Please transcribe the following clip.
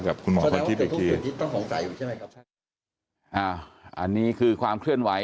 กับคุณหมอพรทิพย์อีกทีค่ะอันนี้คือความเคลื่อนไหว